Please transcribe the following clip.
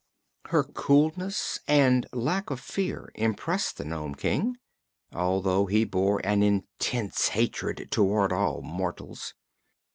Her coolness and lack of fear impressed the Nome King, although he bore an intense hatred toward all mortals.